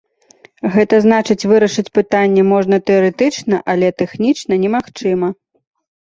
Гэта значыць, вырашыць пытанне можна тэарэтычна, але тэхнічна немагчыма.